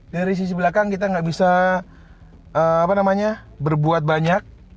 dari sisi belakang kita nggak bisa berbuat banyak